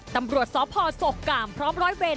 ตำรวจสพศกกามพร้อมร้อยเวร